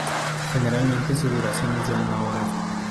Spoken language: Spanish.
Generalmente su duración es de una hora.